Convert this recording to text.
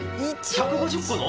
１５０個の？